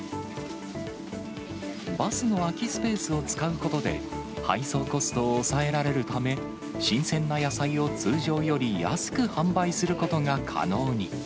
バスの空きスペースを使うことで、配送コストを抑えられるため、新鮮な野菜を通常より安く販売することが可能に。